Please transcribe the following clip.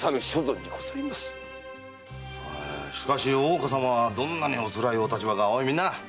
しかし大岡様はどんなにお辛いお立場かおいみんな！